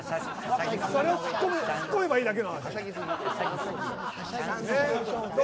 それをツッコめばいいだけの話。